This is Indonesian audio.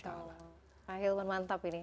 wah ilman mantap ini